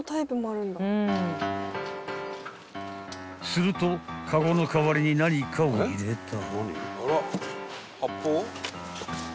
［するとカゴの代わりに何かを入れた］